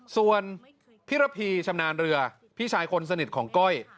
ส่วนพี่ระพีชำนาญเรือพี่ชายคนสนิทของก้อย